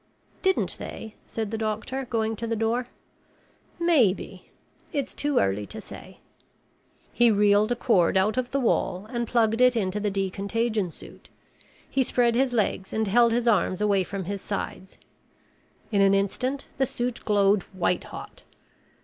"Didn't they?" said the doctor, going to the door. "Maybe. It's too early to say." He reeled a cord out of the wall and plugged it into the decontagion suit. He spread his legs and held his arms away from his sides. In an instant, the suit glowed white hot.